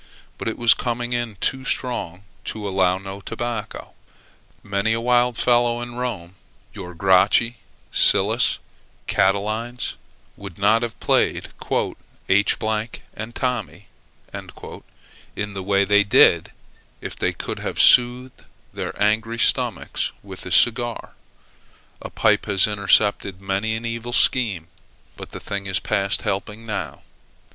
But, it was coming it too strong to allow no tobacco. Many a wild fellow in Rome, your Gracchi, Syllas, Catilines, would not have played "h and Tommy" in the way they did, if they could have soothed their angry stomachs with a cigar a pipe has intercepted many an evil scheme. But the thing is past helping now.